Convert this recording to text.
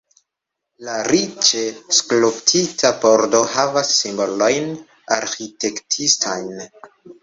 La riĉe skulptita pordo havas simbolojn arĥitektistajn.